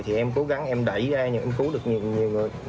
thì em cố gắng em đẩy ra nhưng mà cũng cứu được